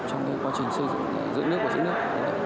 trong quá trình xây dựng giữa nước và chính nước